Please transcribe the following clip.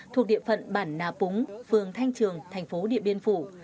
thuộc địa phận bản nà púng phường thanh trường thành phố điện biên phủ